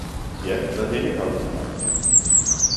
Ja lad hende komme til ham!